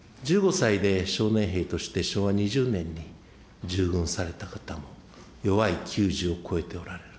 １５歳で少年兵として昭和２０年に従軍された方もよわい９０を超えておられる。